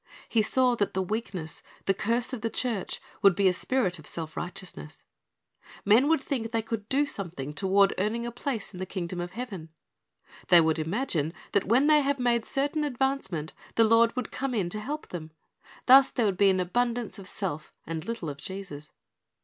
He saw that the weakness, the curse of the church, would be a spirit of self righteousness. Men would thinl: they could do something toward earning a place in the kingdom of heaven. They would imagine that when they had made certain advancement, the Lord would come in to Til e Reward of Grace 401 help them. Thus there would be an abundance of self, and little of Jesus.